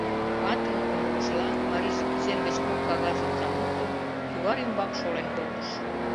Ватым умылышыла, марийже кӱсен гыч кок кагаз оксам лукто, кӱвар ӱмбак шолен колтыш...